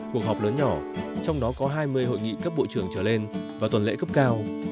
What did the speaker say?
cuộc họp lớn nhỏ trong đó có hai mươi hội nghị cấp bộ trưởng trở lên và tuần lễ cấp cao